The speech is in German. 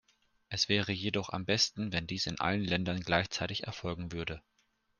Es wäre jedoch am besten, wenn dies in allen Ländern gleichzeitig erfolgen würde.